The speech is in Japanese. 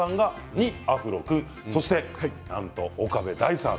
２アフロ君そして、なんと岡部大さん